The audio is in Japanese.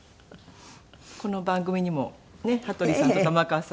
この番組にもねっ羽鳥さんと玉川さん